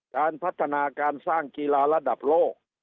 การพัฒนาการสร้างกีฬาระดับโลก